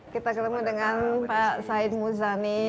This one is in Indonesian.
kita ketemu dengan pak said muzani